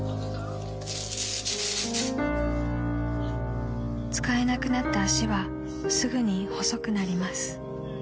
［使えなくなった足はすぐに細くなります］